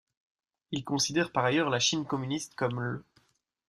Il considère par ailleurs la Chine communiste comme l'.